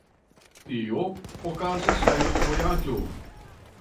Tio okazis en vojaĝo.